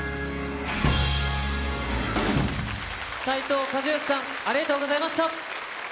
斉藤和義さん、ありがとうございました。